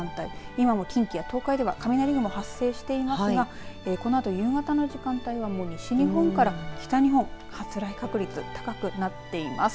今も近畿や東海では雷雲発生していますがこのあと夕方の時間帯は西日本から北日本発雷確率高くなっています。